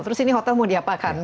terus ini hotel mau diapakan